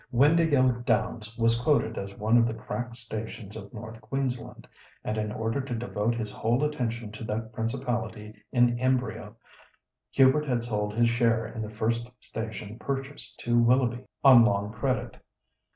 "Windāhgil Downs" was quoted as one of the crack stations of North Queensland, and in order to devote his whole attention to that principality in embryo, Hubert had sold his share in the first station purchased to Willoughby on long credit.